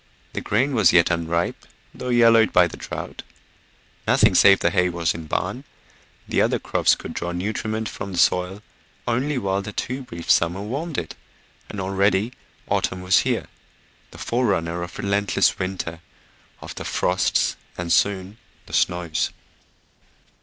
The grain was yet unripe, though yellowed by the drought; nothing save the hay was in barn; the other crops could draw nutriment from the soil only while the too brief summer warmed it, and already autumn was here, the forerunner of relentless winter, of the frosts, and soon the snows